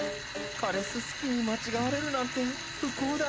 枯れススキに間違われるなんて不幸だ。